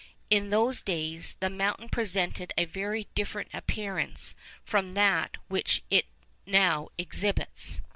In those days, the mountain presented a very different appearance from that which it now exhibits.